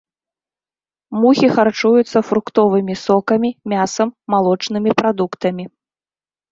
Мухі харчуюцца фруктовымі сокамі, мясам, малочнымі прадуктамі.